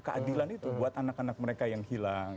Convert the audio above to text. keadilan itu buat anak anak mereka yang hilang